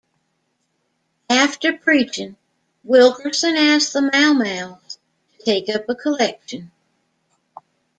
After preaching, Wilkerson asked the Mau Maus to take up a collection.